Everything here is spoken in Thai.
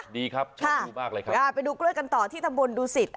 ดีครับชอบดูมากเลยครับไปดูกล้วยกันต่อที่ทะมบุญดูสิทธิ์